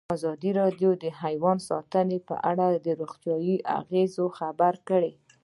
ازادي راډیو د حیوان ساتنه په اړه د روغتیایي اغېزو خبره کړې.